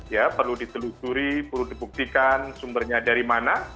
ya perlu ditelusuri perlu dibuktikan sumbernya dari mana